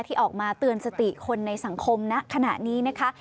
ที่ออกมาเตือนสติคนในสังคมณขณะนี้นะคะ